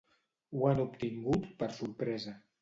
Ho han obtingut per sorpresa.